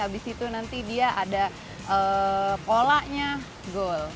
habis itu nanti dia ada polanya goal